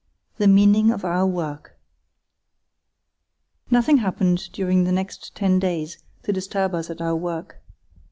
The Meaning of our Work Nothing happened during the next ten days to disturb us at our work.